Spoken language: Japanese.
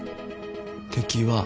敵は。